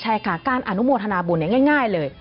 ใช่ค่ะการอนุโมทนาบุญง่ายเลย